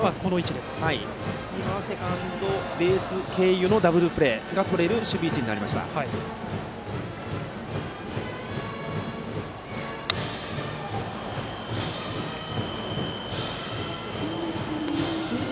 今はセカンドベース経由のダブルプレーがとれる守備位置になりましたね。